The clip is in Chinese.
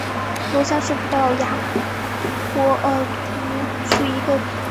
罗森是葡萄牙波尔图区的一个堂区。